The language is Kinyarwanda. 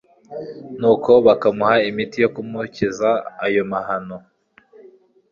Nuko bakamuha imiti yo kumukiza ayo mahano